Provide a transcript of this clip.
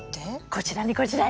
こちらにこちらに。